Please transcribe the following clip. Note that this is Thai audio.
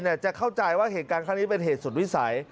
ความวินัจจะเข้าใจว่าเหตุการณ์เข้านี้เป็นเหตุสุดวิสัย